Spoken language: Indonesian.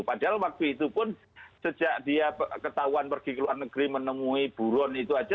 padahal waktu itu pun sejak dia ketahuan pergi ke luar negeri menemui buron itu saja